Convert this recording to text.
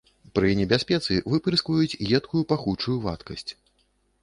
Пры небяспецы выпырскваюць едкую, пахучую вадкасць.